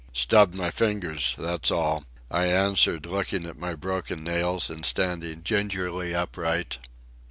"Stubbed my fingers, that's all," I answered, looking at my broken nails and standing gingerly upright.